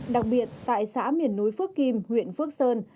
đặc biệt tại xã miền núi phước kim huyện phước sơn